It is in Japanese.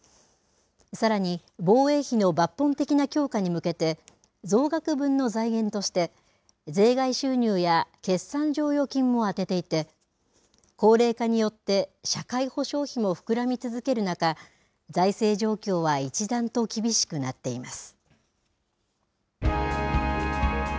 さらに、防衛費の抜本的な強化に向けて、増額分の財源として、税外収入や決算剰余金も充てていて、高齢化によって社会保障費も膨らみ続ける中、財政状況は一段と厳しくなっています。